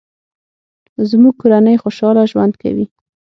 زموږ کورنۍ خوشحاله ژوند کوي